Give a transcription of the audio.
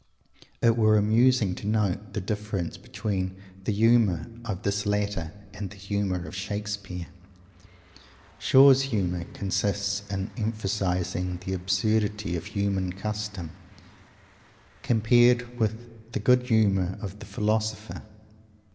It were amusing to note the difference between the "humour" of this latter and the "humour" of Shakespeare. Shaw's humour consists in emphasizing the absurdity of human Custom, compared with the good sense of the philosopher.